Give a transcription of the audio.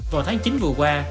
vào tháng chín vừa qua